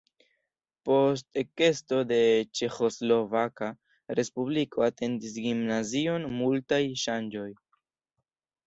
Post ekesto de Ĉeĥoslovaka Respubliko atendis gimnazion multaj ŝanĝoj.